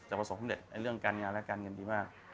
ประสบเร็จในเรื่องการงานและการเงินดีมาก